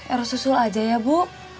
eros usul aja ya bu